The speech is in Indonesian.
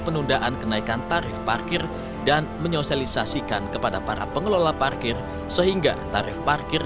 penundaan kenaikan tarif parkir dan menyosialisasikan kepada para pengelola parkir sehingga tarif parkir